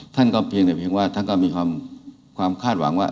ท่านก็เพียงแต่เพียงว่าท่านก็มีความคาดหวังว่า